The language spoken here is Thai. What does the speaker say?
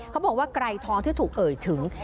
เขาบอกว่าไกรทองที่ถูกเอ่ยถึง